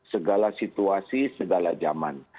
segala situasi segala zaman